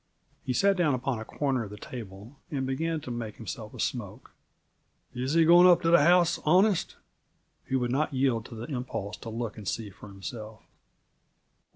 He sat down upon a corner of the table and began to make himself a smoke. "Is he going up to the house honest?" He would not yield to the impulse to look and see for himself.